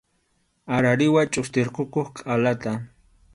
Arariwa chʼustirqukuq qʼalata.